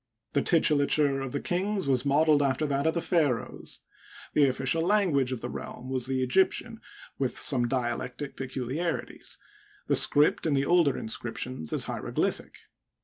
The titulature of the kings was modeled after that of the pharaohs. The official language of the realm was the Egyptian, with some dialectic peculiarities ; the script in the older inscriptions is hieroglyphic.